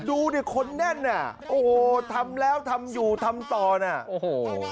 ดูดิคนแน่นอ่ะโอ้โหทำแล้วทำอยู่ทำต่อน่ะโอ้โห